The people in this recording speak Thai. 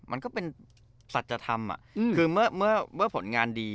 มันก็เป็นสัจธรรมอ่ะอืมคือเมื่อเมื่อเมื่อผลงานดี